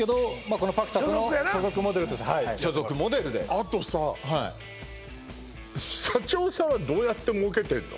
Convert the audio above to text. この「ぱくたそ」の所属モデルとして所属モデルであとさ社長さんはどうやって儲けてんの？